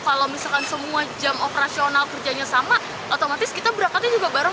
kalau misalkan semua jam operasional kerjanya sama otomatis kita berakannya juga barengan dong